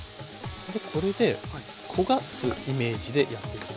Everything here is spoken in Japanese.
でこれで焦がすイメージでやって下さい。